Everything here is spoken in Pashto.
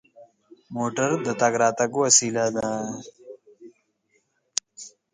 موټر د تګ راتګ وسیله ده.